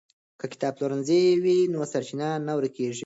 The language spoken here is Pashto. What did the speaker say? که کتابپلورنځی وي نو سرچینه نه ورکېږي.